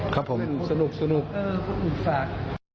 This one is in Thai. ครับผมเออพระองค์ฝากสนุก